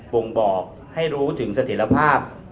บ่งบอกให้รู้ถึงเสถียรภาพ